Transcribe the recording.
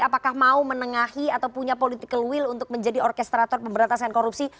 apakah mau menengahi atau punya political will untuk menjadi orkestrator pemberantasan korupsi